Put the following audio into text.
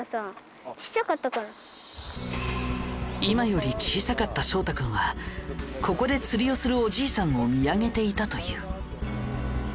今より小さかった翔太君はここで釣りをするおじいさんを見上げていたという。